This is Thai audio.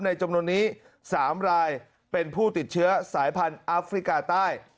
จำนวนนี้๓รายเป็นผู้ติดเชื้อสายพันธุ์อัฟริกาใต้